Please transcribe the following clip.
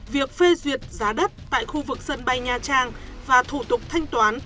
việc phê duyệt giá đất tại khu vực sân bay nha trang và thủ tục thanh toán